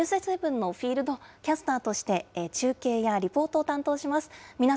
春からはニュース７のフィールドキャスターとして、中継やリポートを担当します。